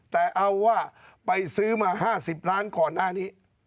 แต่เอาว่าไปซื้อมา๕๐ล้านก่อนหน้านี้